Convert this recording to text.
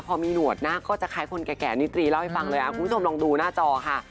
พอมีหนวดนะก็จะคล้ายคนแก่นิตรีเล่าให้ฟังเลยคุณผู้ชมลองดูหน้าจอค่ะ